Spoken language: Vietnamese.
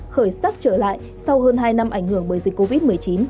khởi sắc trở lại sau hơn hai năm ảnh hưởng bởi dịch covid một mươi chín